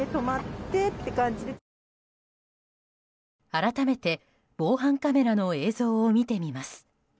改めて、防犯カメラの映像を見てみます。